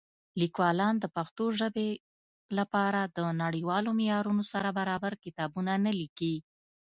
لیکوالان د پښتو لپاره د نړیوالو معیارونو سره برابر کتابونه نه لیکي.